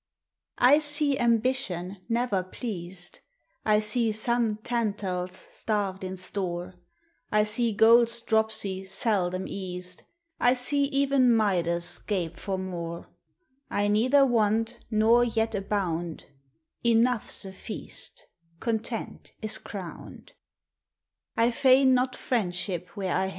I see ambition never pleased ; I gee some Tantals starved in store ; I see gold's dropsy seldom eased ; I see even Midas gape for mo I neither want nor yet abound, Enough "> a feast, contenl is crowned I feign not friendship where I h.